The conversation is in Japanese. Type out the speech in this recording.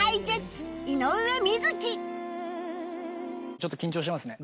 ちょっと緊張してますね。